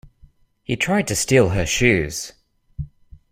He tried to steal her shoes.